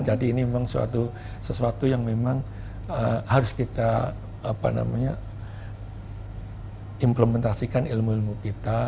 jadi ini memang sesuatu yang memang harus kita implementasikan ilmu ilmu kita